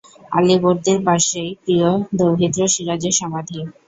আলীবর্দীর পাশেই প্রিয় দৌহিত্র সিরাজের সমাধি।